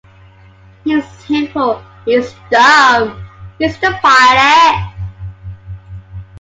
He's Simple, He's Dumb, He's the Pilot.